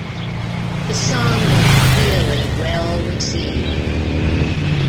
The song was really well received.